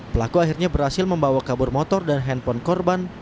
pelaku akhirnya berhasil membawa kabur motor dan handphone korban